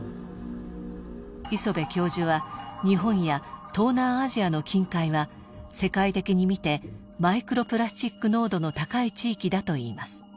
磯辺教授は日本や東南アジアの近海は世界的に見てマイクロプラスチック濃度の高い地域だといいます。